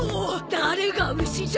誰が牛じゃ！